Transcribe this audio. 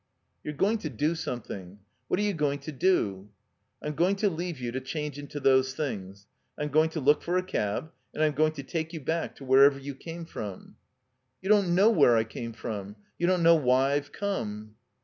"You're going to do something. "What are you going to do?" "I'm going to leave you to change into those things. I'm going to look for a cab, and I'm going to take you back to wherever you came from." "You don't know where I came from. You don't ^ know why I've come."